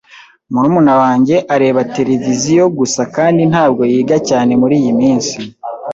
Murumuna wanjye areba televiziyo gusa kandi ntabwo yiga cyane muriyi minsi.